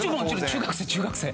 中学生中学生。